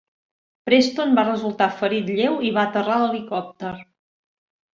Preston va resultar ferit lleu i va aterrar l'helicòpter.